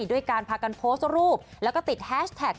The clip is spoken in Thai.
ด้วยการพากันโพสต์รูปแล้วก็ติดแฮชแท็ก